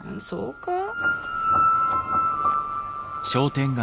そうか？